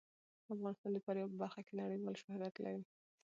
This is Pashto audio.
افغانستان د فاریاب په برخه کې نړیوال شهرت لري.